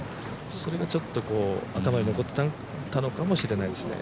それがちょっと頭に残ってたのかもしれないですね。